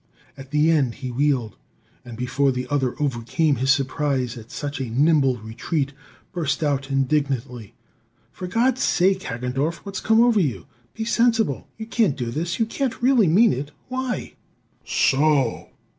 At the end he wheeled, and before the other overcame his surprise at such a nimble retreat, burst out indignantly: "For God's sake, Hagendorff, what's come over you? Be sensible! You can't do this; you can't really mean it! Why " "So!"